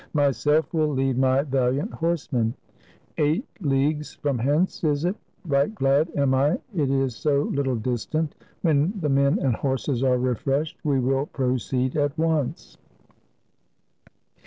Myself will lead my valiant horsemen. Eight leagues from hence, is it? Right glad am I it is so Httle distant. When the men and horses are refreshed, we will proceed at once."